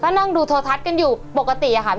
นั่งดูโทรทัศน์กันอยู่ปกติค่ะ